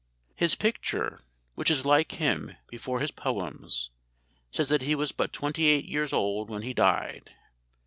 ] "His picture, which is like him, before his poems, says that he was but twenty eight years old when he dyed.